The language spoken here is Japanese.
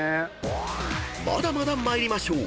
［まだまだ参りましょう。